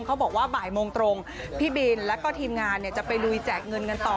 เขาบอกว่าบ่ายโมงตรงพี่บินแล้วก็ทีมงานจะไปลุยแจกเงินกันต่อ